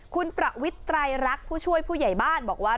คุณประวิทย์ไตรรักผู้ช่วยผู้ใหญ่บ้านบอกว่า